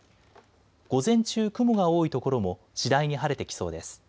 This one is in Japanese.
午前中、雲が多い所も次第に晴れてきそうです。